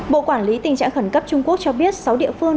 bộ quản lý tình trạng khẩn cấp trung quốc cho biết sáu địa phương